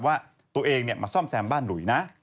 ว่าตัวเองมาซ่อมแซมบ้านหลุยนะ